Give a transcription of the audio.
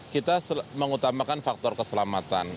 kita mengutamakan faktor keselamatan